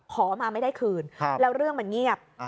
ขอมาไม่ได้คืนแล้วเรื่องมันเงียบ